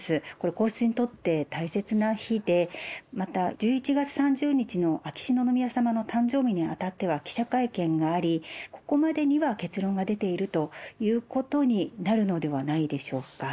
皇室にとって大切な日で、また、１１月３０日の秋篠宮さまの誕生日にあたっては記者会見があり、ここまでには結論が出ているということになるのではないでしょうか。